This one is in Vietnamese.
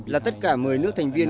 là tất cả một mươi nước thành viên